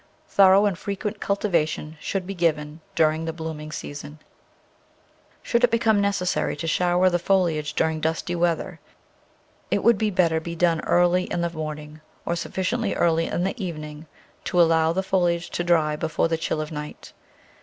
Thorough and frequent cultiva tion should be given during the blooming season. Digitized by Google 124 7>fe Flower Garden [Chapter Should it become necessary to shower the foliage dur ing dusty weather it would better be done early in the morning or sufficiently early in the evening to allow the foliage to dry before the chill of night.